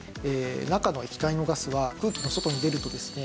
中の液体のガスは容器の外に出るとですね